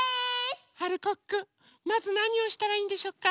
まずなにをしたらいいんでしょうか？